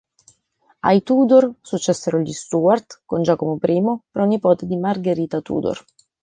Ai Tudor successero gli Stuart con Giacomo I, pronipote di Margherita Tudor.